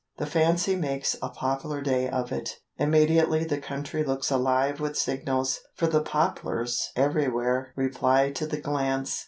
The fancy makes a poplar day of it. Immediately the country looks alive with signals; for the poplars everywhere reply to the glance.